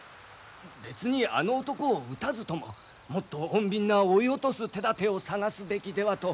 別にあの男を討たずとももっと穏便な追い落とす手だてを探すべきではと。